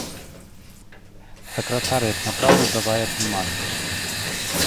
Сакратар як напраўду давай абнімацца.